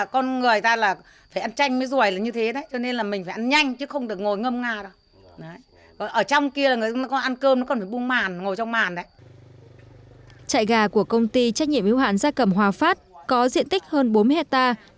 chạy gà của công ty trách nhiệm hữu hạn gia cầm hòa phát có diện tích hơn bốn mươi hectare